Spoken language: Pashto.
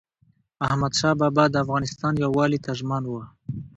احمدشاه بابا د افغانستان یووالي ته ژمن و.